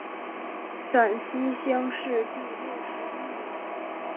陕西乡试第六十一名。